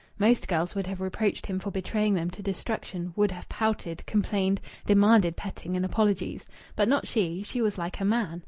Most girls would have reproached him for betraying them to destruction, would have pouted, complained, demanded petting and apologies. But not she! She was like a man.